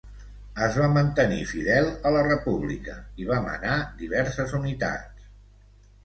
Es va mantenir fidel a la República, i va manar diverses unitats.